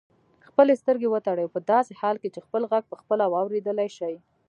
خپلې سترګې وتړئ او په داسې حال کې چې خپل غږ پخپله واورېدلای شئ.